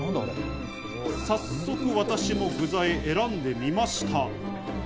早速、私も具材を選んでみました。